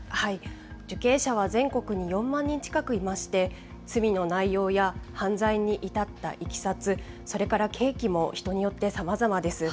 受刑者は全国に４万人近くいまして、罪の内容や犯罪に至ったいきさつ、それから刑期も人によってさまざまです。